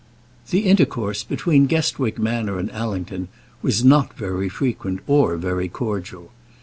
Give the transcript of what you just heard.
The intercourse between Guestwick Manor and Allington was not very frequent or very cordial.